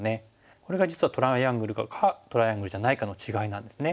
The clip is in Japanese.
これが実はトライアングルかトライアングルじゃないかの違いなんですね。